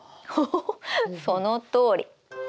おそのとおり！